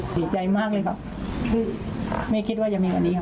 เสียใจมากเลยครับคือไม่คิดว่าจะมีวันนี้ครับ